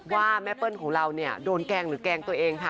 ว่าแม่เปิ้ลของเราเนี่ยโดนแกล้งหรือแกล้งตัวเองค่ะ